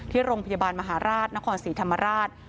ที่โรงพยาบาลมหาราชนครศรีธรรมราช